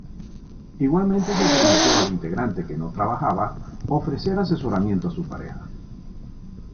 Igualmente se le permitió al integrante que no trabajaba ofrecer asesoramiento a su pareja.